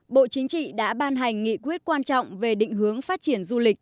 bộ chính trị đã ban hành nghị quyết quan trọng về định hướng phát triển du lịch